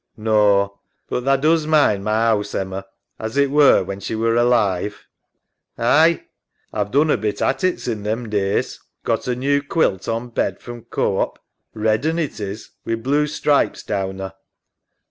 SAM. Naw, but tha does mind ma 'ouse, Emma, as it were when she were alive? EMMA. Aye. SAM. A've done a bit at it sin' them days. Got a new quilt on bed from Co op. Red un it is wi' blue stripes down 'er.